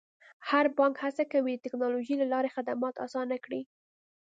هر بانک هڅه کوي د ټکنالوژۍ له لارې خدمات اسانه کړي.